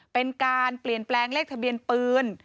เป็นการเปลี่ยนแปลงเลขทะเบียนปืน